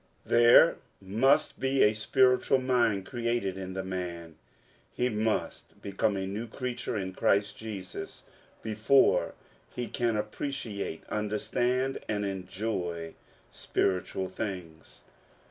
There must be a spiritual mind created in the man ; he must become a new creature in Christ Jesus before he can appreciate, understand, and en joy spiritual things.